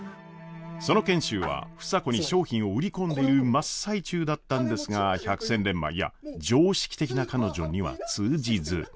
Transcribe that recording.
その賢秀は房子に商品を売り込んでいる真っ最中だったんですが百戦錬磨いや常識的な彼女には通じず。